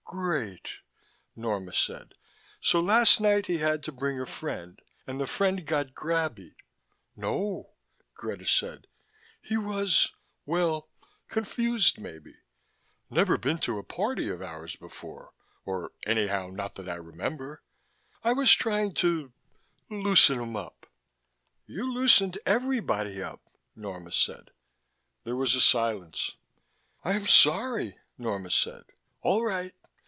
"Great," Nonna said. "So last night he had to bring a friend and the friend got grabby " "No," Greta said. "He was well, confused maybe. Never been to a party of ours before, or anyhow not that I remember. I was trying to loosen him up." "You loosened everybody up," Norma said. There was a silence. "I'm sorry," Norma said. "All right.